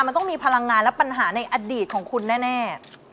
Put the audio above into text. มันต้องมีพลังงานและปัญหาในอดีตของคุณแน่